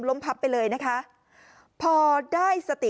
กลุ่มตัวเชียงใหม่